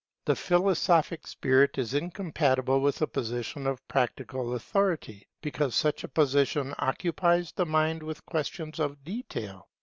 The philosophic spirit is incompatible with a position of practical authority, because such a position occupies the mind with questions of detail.